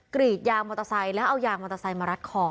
กรีดยางมอเตอร์ไซค์แล้วเอายางมอเตอร์ไซค์มารัดคอ